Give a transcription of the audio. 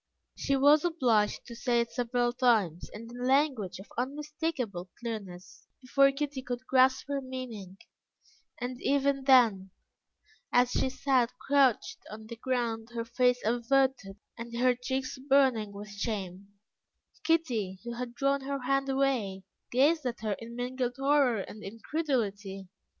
She was obliged to say it several times, and in language of unmistakable clearness, before Kitty could grasp her meaning; and even then, as she sat crouched on the ground, her face averted and her cheeks burning with shame, Kitty, who had drawn her hand away, gazed at her in mingled horror and incredulity.